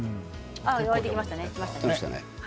沸いてきましたね。